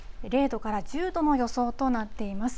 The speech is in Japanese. ０度から１０度の予想となっています。